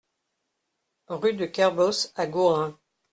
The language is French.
Rue de Kerbos à Gourin